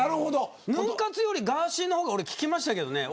ヌン活よりもガーシーの方が聞きましたけどね。